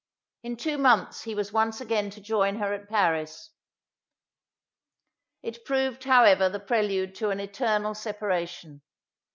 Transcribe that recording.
In two months he was once again to join her at Paris. It proved however the prelude to an eternal separation.